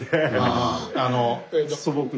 素朴な。